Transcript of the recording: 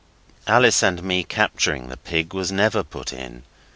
Alice and me capturing the pig was never put in.